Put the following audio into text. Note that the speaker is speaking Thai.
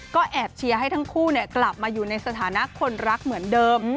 ก็แอบเชียร์ให้ทั้งคู่กลับมาอยู่ในสถานะคนรักเหมือนเดิม